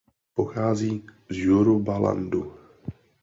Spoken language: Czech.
Pochází z Yorubalandu.